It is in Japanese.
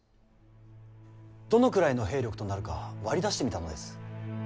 どのくらいの兵力となるか割り出してみたのです。